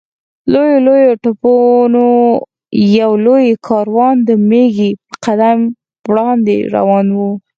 لویو لویو توپونو یو لوی کاروان د مېږي په قدم وړاندې روان و.